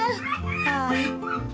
はい。